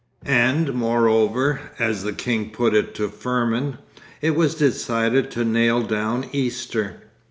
And moreover, as the king put it to Firmin, it was decided to 'nail down Easter.